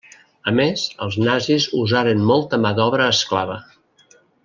A més, els nazis usaren molta mà d'obra esclava.